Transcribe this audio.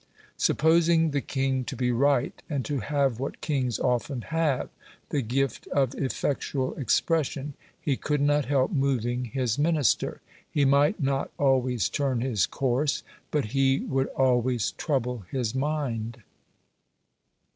Supposing the king to be right, and to have what kings often have, the gift of effectual expression, he could not help moving his Minister. He might not always turn his course, but he would always trouble his mind.